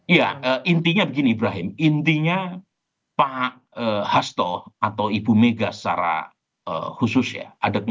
ya intinya begini ibrahim intinya pak hasto atau ibu mega secara khusus ya